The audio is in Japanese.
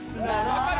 分かる